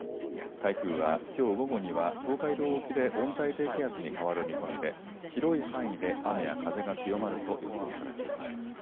台風は、きょう午後には東海道沖で温帯低気圧に変わる見込みで広い範囲で雨や風が強まると予想されています。